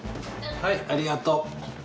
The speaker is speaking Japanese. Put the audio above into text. はいありがとう。